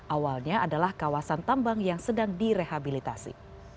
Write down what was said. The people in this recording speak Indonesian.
awalnya adalah kawasan tambang yang sedang direhabilitasi